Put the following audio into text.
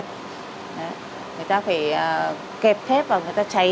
phải kẹp thép và người ta cháy